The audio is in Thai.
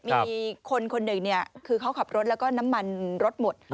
มีคนคนหนึ่งคือเขาขับรถแล้วก็น้ำมันรถหมด